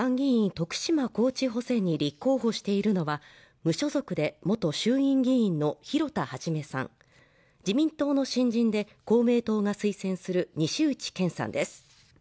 徳島高知補選に立候補しているのは無所属で元衆院議員の広田一さん自民党の新人で公明党が推薦する西内健さんです